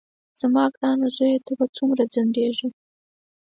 زما ګرانه زویه ته به څومره ځنډېږې.